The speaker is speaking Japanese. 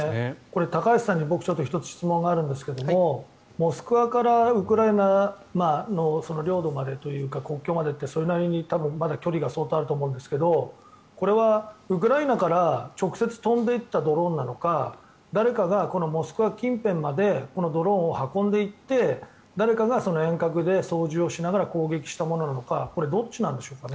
高橋さんに１つ質問があるんですがモスクワからウクライナの領土までというか国境までって、それなりに距離が相当あると思うんですがこれはウクライナから直接飛んでいったドローンなのか誰かがこのモスクワ近辺までこのドローンを運んでいって誰かが遠隔で操縦をしながら攻撃したものなのかこれはどっちなんでしょうか？